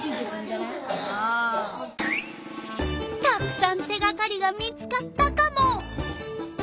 たくさん手がかりが見つかったカモ。